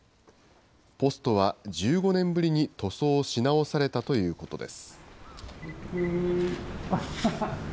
ポストは１５年ぶりに塗装し直されたということです。